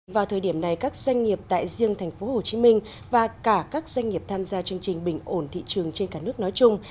vào thời điểm này các doanh nghiệp tại riêng tp hcm và cả các doanh nghiệp tham gia chương trình bình ổn thị trường trên cả nước nói chung